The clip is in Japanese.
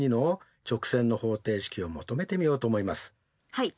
はい。